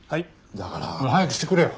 だから。早くしてくれよ。